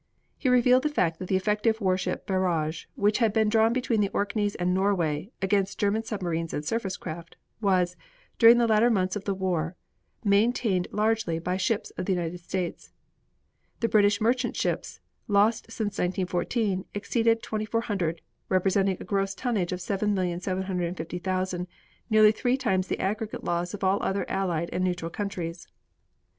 He revealed the fact that the effective warship barrage, which had been drawn between the Orkneys and Norway against German submarines and surface craft, was, during the later months of the war, maintained largely by ships of the United States. The British merchant ships lost since 1914 exceeded 2,400, representing a gross tonnage of 7,750,000, nearly three times the aggregate loss of all other allied and neutral countries.